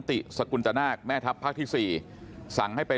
แต่ลูกอยากไปเราก็ให้ไป